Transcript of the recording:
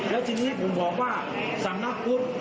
แล้วทีนี้ผมบอกว่าสำนักพุทธ